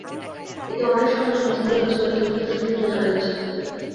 এতে অনেক সরঞ্জাম নষ্ট হয়ে যাচ্ছে বলে সংশ্লিষ্ট সূত্রে জানা গেছে।